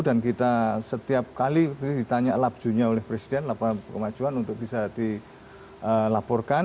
dan kita setiap kali ditanya lab lab nya oleh presiden lab lab kemajuan untuk bisa dilaporkan